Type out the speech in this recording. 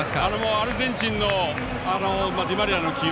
アルゼンチンのディマリアの起用。